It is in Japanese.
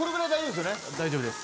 大丈夫？